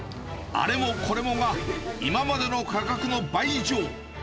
あれもこれもが、今までの価格の倍以上。